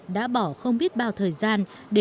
đã bỏ không biết bao thời gian để nghiên cứu